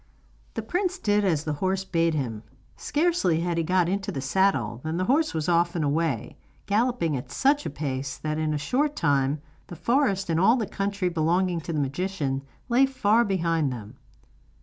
The prince did as the horse bade him. Scarcely had he got into the saddle than the horse was off and away, galloping at such a pace that, in a short time, the forest and all the country belonging to the magician lay far behind them.